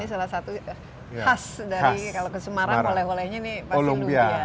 ya ini salah satu khas dari kalau ke semarang oleh olehnya ini pasti lumbia